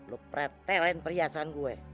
lu pretelain perhiasan gue